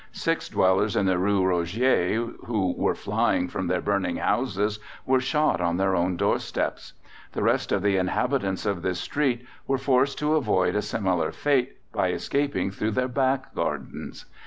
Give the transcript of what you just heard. Six dwellers in the Rue Rogier, who were flying from their burning houses, were shot on their own doorsteps. The rest of the inhabitants of this street were forced to avoid a similar fate by escaping through their back gardens.